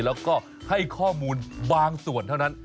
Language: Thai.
แล้วก็ให้ข้อมูลบางส่วนเท่านั้น